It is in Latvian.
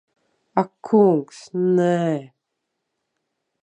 Ak kungs, nē.